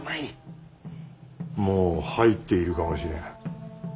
もう入っているかもしれん。